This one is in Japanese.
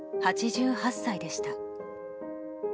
８８歳でした。